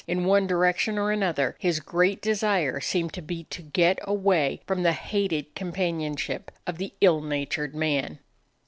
In one direction or another, his great desire seemed to be to get away from the hated companionship of the ill natured man.